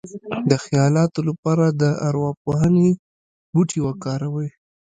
د خیالاتو لپاره د ارواپوهنې بوټي وکاروئ